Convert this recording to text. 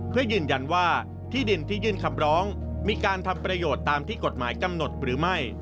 เพื่อยืนยันว่าที่ดินที่ยื่นคำร้องมีการทำประโยชน์ตามที่กฎหมายกำหนดหรือไม่